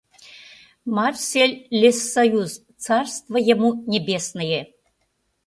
— Марсельлессоюз, царство ему небесное...